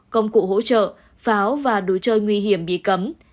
công cụ hỗ trợ pháo và đối chơi nguy hiểm bị cấm